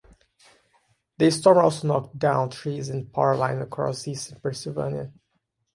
The storm also knocked down trees and power lines across eastern Pennsylvania.